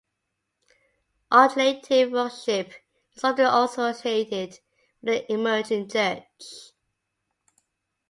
Alternative worship is often associated with the Emerging Church.